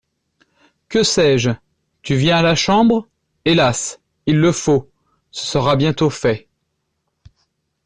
Que sais-je ! Tu viens à la Chambre ? Hélas ! Il le faut ! Ce sera bientôt fait.